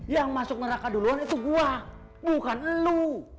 yang masuk neraka duluan itu gue bukan lo